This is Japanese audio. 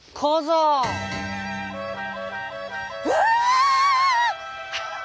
「うわ！」。